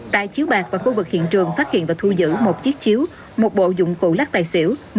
tại chiếu bạc và khu vực hiện trường phát hiện và thu giữ một chiếc chiếu một bộ dụng cụ lắc tài xỉu